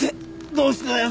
どうしてだよ？